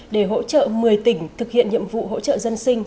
để hỗ trợ một mươi tỉnh thực hiện nhiệm vụ hỗ trợ dân sinh